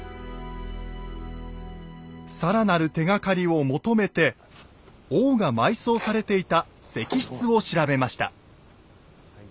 更なる手がかりを求めて王が埋葬されていた石室を調べました。